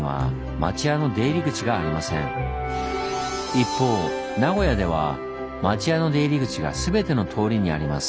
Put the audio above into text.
一方名古屋では町屋の出入り口が全ての通りにあります。